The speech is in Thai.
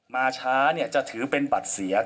มาช้าจะถือเป็นบัตรเสีย